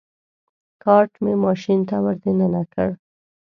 کارټ مې ماشین ته ور دننه کړ.